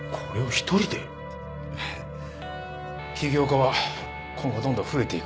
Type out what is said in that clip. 起業家は今後どんどん増えていく。